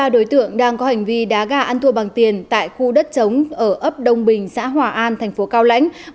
hai mươi ba đối tượng đang có hành vi đá gà ăn thua bằng tiền tại khu đất trống ở ấp đông bình xã hòa an tp cao lãnh